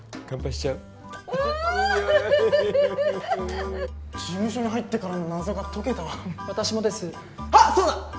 ニオイフフフフ事務所に入ってからの謎が解けたわ私もですあっそうだ！